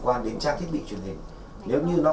và lên kế hoạch triển khai các nội dung công việc cụ thể